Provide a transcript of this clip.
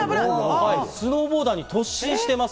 スノーボーダーに突進しています。